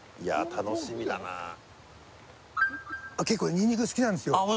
楽しみだな結構ニンニク好きなんですよあっ